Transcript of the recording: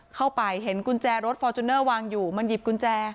เข้าไปเห็นกุญแจรถฟอร์จูเนอร์วางอยู่มันหยิบกุญแจ